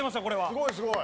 すごいすごい！